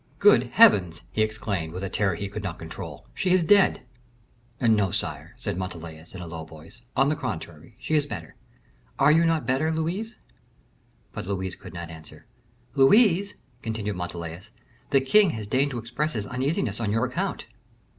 "Good Heavens!" he exclaimed, with a terror he could not control, "she is dead." "No, sire," said Montalais, in a low voice; "on the contrary, she is better. Are you not better, Louise?" But Louise did not answer. "Louise," continued Montalais, "the king has deigned to express his uneasiness on your account."